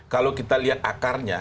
kalau kita lihat akarnya